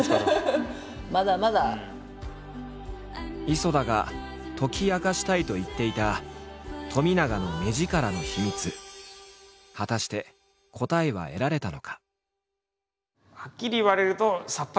磯田が解き明かしたいと言っていた冨永の果たして答えは得られたのか？